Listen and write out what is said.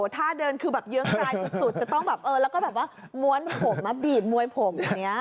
ท่าเดินเหยื่องกายยังไม่สุดแต่ต้องม้วนผมบีบมวยผม